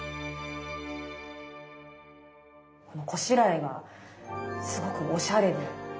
このこしらえがすごくおしゃれで。